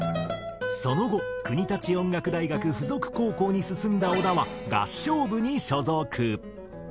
その後国立音楽大学附属高校に進んだ小田は合唱部に所属。